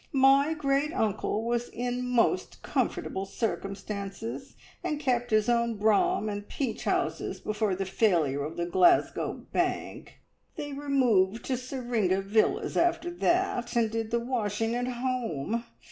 My great uncle was in most comfortable circumstances, and kept his own brougham and peach houses before the failure of the Glasgow Bank. They removed to Syringa Villas after that, and did the washing at home.